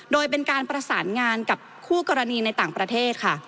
โดยเป็นการประสานงานกับคู่กรณีในต่างประเทศค่ะ